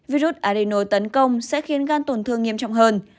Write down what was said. virus adeno tấn công sẽ khiến gan tổn thương nghiêm trọng hơn